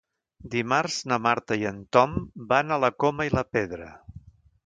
Dimarts na Marta i en Tom van a la Coma i la Pedra.